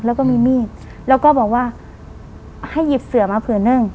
แล้วก็มีมีดแล้วก็บอกว่าให้หยิบเสือมาผื่นนึง